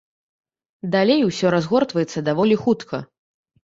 Далей усё разгортваецца даволі хутка.